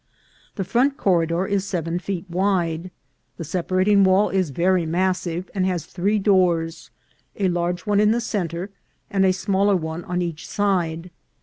The front corridor is seven feet wide. The separating wall is very massive, and has three doors, a large one in the centre, and a smaller one on each side.